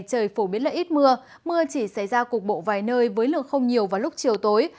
trời phổ biến là ít mưa mưa chỉ xảy ra cục bộ vài nơi với lượng không nhiều vào lúc chiều tối